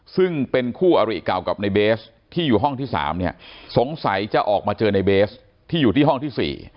ซึ่งเป็นคู่อริเก่ากับในเบสที่อยู่ห้องที่๓เนี่ยสงสัยจะออกมาเจอในเบสที่อยู่ที่ห้องที่๔